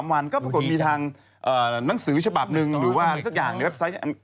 วันก็ปรากฏมีทางหนังสือฉบับหนึ่งหรือว่าสักอย่างในเว็บไซต์